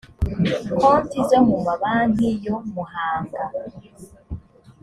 konti zo mu mabanki yo muhanga